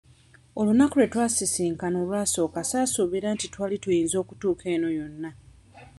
Olunaku lwe twasisinkana olwasooka saasuubira nti twali tuyinza okutuuka eno yonna.